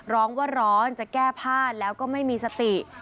ร้องว่าร้อนจะแก้ผ้าแล้วก็ไม่มีสติ